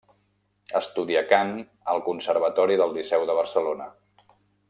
Estudià cant al Conservatori del Liceu de Barcelona.